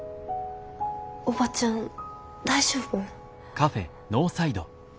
おばちゃん大丈夫？